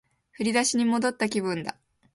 振り出しに戻った気分だ